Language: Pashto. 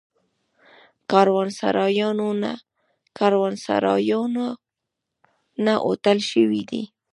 کاروانسرایونه هوټل شوي دي.